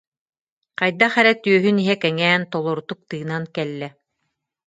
Хайдах эрэ түөһүн иһэ кэҥээн, толорутук тыынан кэллэ